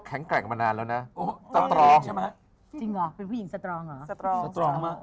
เสียงโหล่ะบกบอกอะไรบ้างกัน